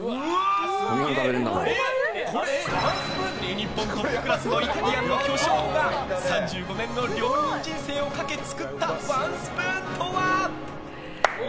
日本トップクラスのイタリアンの巨匠が３５年の料理人人生をかけ作ったワンスプーンとは？